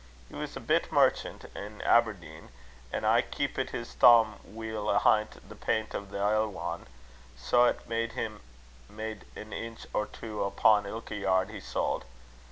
He was a bit merchan' in Aberdeen, an' aye keepit his thoom weel ahint the peint o' the ellwan', sae 'at he made an inch or twa upo' ilka yard he sauld.